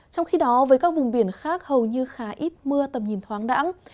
trong khi đó với các vùng biển khác hầu như khá ít mưa tầm nhìn thoáng đẳng